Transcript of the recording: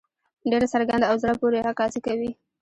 ډېره څرګنده او زړۀ پورې عکاسي کوي.